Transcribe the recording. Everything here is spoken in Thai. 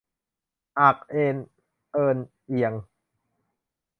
อาก เอน เอิน เอียง